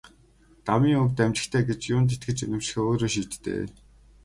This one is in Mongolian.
Дамын үг дамжигтай гэж юунд итгэж үнэмшихээ өөрөө шийд дээ.